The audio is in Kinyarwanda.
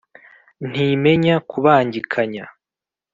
Ntimenya kubangikanya,